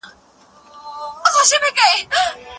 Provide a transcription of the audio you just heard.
ډارن مه اوسئ.